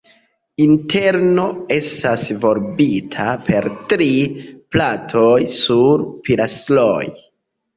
Interno estas volbita per tri platoj sur pilastroj.